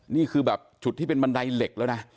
นี่คือแบบจุดที่เป็นบันไดเหล็กแล้วนะ